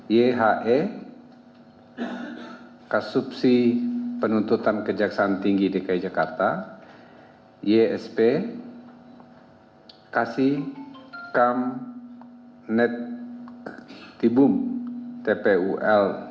ihe kasupsi penuntutan kejaksaan tinggi dki jakarta isp kasi kam net tibum tpul